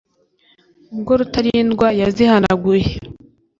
ubwo rutarindwa yazihanaguye